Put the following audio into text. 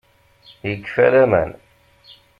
Ikfa Laman.